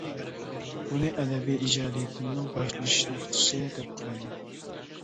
بۇنى ئەدەبىي ئىجادىيىتىمنىڭ باشلىنىش نۇقتىسى دەپ قارايمەن.